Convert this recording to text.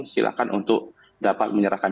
silakan untuk dapat menyerahkan